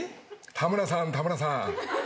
田村さん田村さん